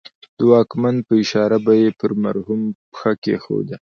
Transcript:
د واکمن په اشاره به یې پر محکوم پښه کېښوده.